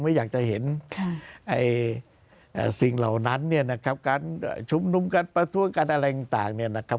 ไม่อยากจะเห็นสิ่งเหล่านั้นเนี่ยนะครับการชุมนุมการประท้วงกันอะไรต่างเนี่ยนะครับ